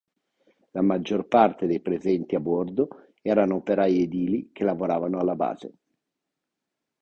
La maggior parte dei presenti a bordo erano operai edili che lavoravano alla base.